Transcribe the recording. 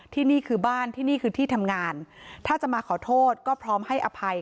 นี่คือบ้านที่นี่คือที่ทำงานถ้าจะมาขอโทษก็พร้อมให้อภัย